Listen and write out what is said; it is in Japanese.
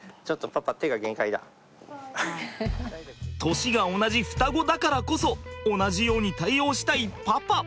年が同じ双子だからこそ同じように対応したいパパ。